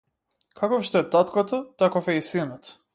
Каков што е таткото, таков е и синот.